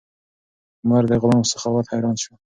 عمر د غلام په سخاوت حیران شو.